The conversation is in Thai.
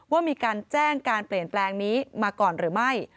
ว่ามีการแจ้งการเปลี่ยนแปลงนี้มาก่อนหรือไม่